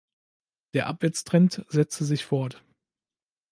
Der Abwärtstrend setzte sich fort.